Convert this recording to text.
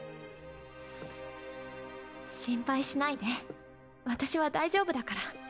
心配しないで私は大丈夫だから。